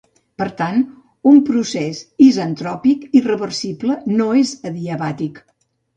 Per tant, un procés isentròpic irreversible no és adiabàtic.